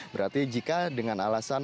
berarti jika dengan alasan